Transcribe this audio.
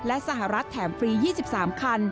และสหรัฐแถมฟรี๒๓คัน